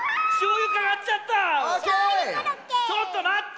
ちょっとまって。